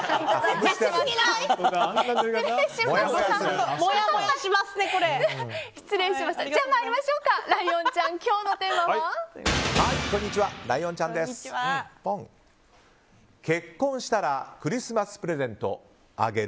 では、ライオンちゃんこんにちは結婚したらクリスマスプレゼントあげる？